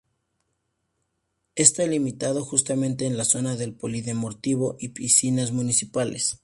Esta limitado justamente en la zona del polideportivo y piscinas municipales.